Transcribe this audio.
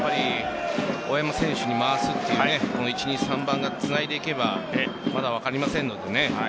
大山選手に回すというか１、２、３番がつないでいけばまだ分かりませんので。